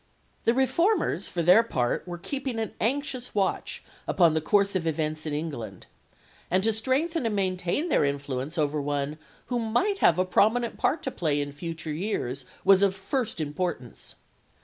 The reformers, for their part, were keeping an anxious watch upon the course of events in England; and to strengthen and maintain their influence over one who might have a prominent part to play in future years was of the first importance.